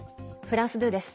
フランス２です。